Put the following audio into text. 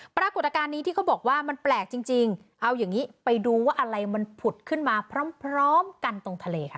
ปรากฏอาการนี้ที่เขาบอกว่ามันแปลกจริงเอาอย่างนี้ไปดูว่าอะไรมันผุดขึ้นมาพร้อมกันตรงทะเลค่ะ